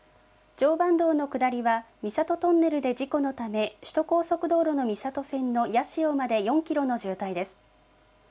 常磐道の下りは、三郷トンネルで事故のため、首都高速道路の三郷線の八潮まで４キロの渋滞です。